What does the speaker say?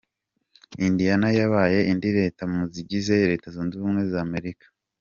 Indiana yabaye indi leta mu zigize leta zunze ubumwe za Amerika.